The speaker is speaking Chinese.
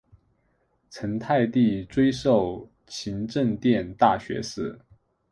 成泰帝追授勤政殿大学士。